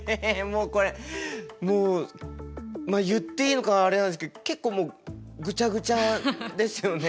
もうこれもう言っていいのかあれなんですけど結構もうぐちゃぐちゃですよね。